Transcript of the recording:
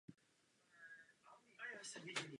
Dlouhý ocas jim pak pomáhá při skocích.